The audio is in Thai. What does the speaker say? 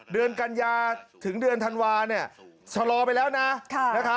เดือนกันยาถึงเดือนธันวาเนี่ยชะลอไปแล้วนะ